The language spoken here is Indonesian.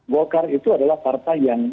golkar itu adalah partai yang